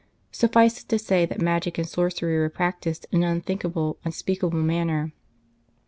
Suffice it to say that magic and sorcery were practised in an unthink able, unspeakable manner.